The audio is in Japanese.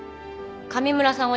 上村さん